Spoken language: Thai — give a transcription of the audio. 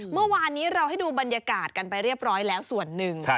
เมื่อวานนี้เราให้ดูบรรยากาศกันไปเรียบร้อยแล้วส่วนหนึ่ง